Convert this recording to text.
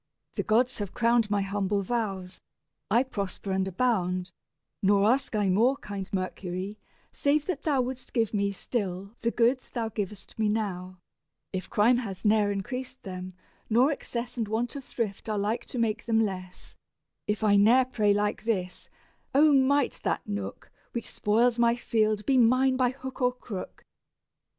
The gods have crowned My humble vows; I prosper and abound: Nor ask I more, kind Mercury, save that thou Wouldst give me still the goods thou giv'st me now: If crime has ne'er increased them, nor excess And want of thrift are like to make them less; If I ne'er pray like this, "O might that nook Which spoils my field be mine by hook or crook!